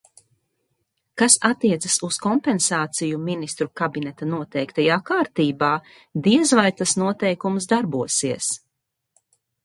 Kas attiecas uz kompensāciju Ministru kabineta noteiktajā kārtībā, diez vai tas noteikums darbosies.